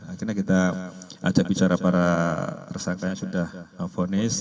akhirnya kita ajak bicara para tersangka yang sudah fonis